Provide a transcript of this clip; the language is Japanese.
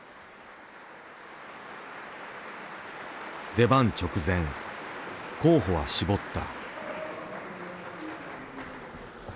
出番直前候補は絞った。